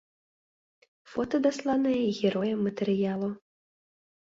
Фота дасланае героем матэрыялу.